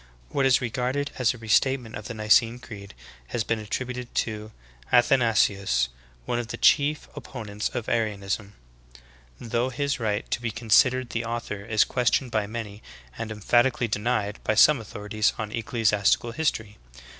What is regarded as a restatement of the Nicene Creed has been attributed to Athanasius, one of the chief oppo nents of Arianism, though his right to be considered the author is questioned by many and emphatically denied by some authorities on ecclesiastical history.